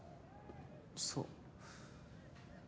そう。